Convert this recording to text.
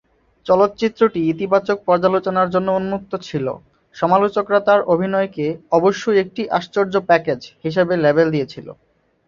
চলচ্চিত্রটি ইতিবাচক পর্যালোচনার জন্য উন্মুক্ত ছিল, সমালোচকরা তার অভিনয়কে "অবশ্যই একটি আশ্চর্য প্যাকেজ" হিসাবে লেবেল দিয়েছিল।